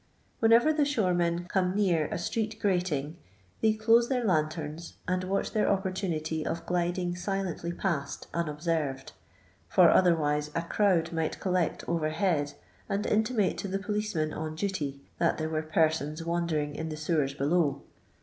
Whenever the shore men come near a street grating, they close their lanterns and watch their opportunity of gliding silently past unobserved, for otherwise a crowd might collect over head and intimate to the policeman on duty, that there were persons wandering in the sewers below.